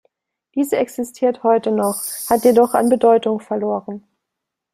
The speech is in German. Diese existiert heute noch, hat jedoch an Bedeutung verloren.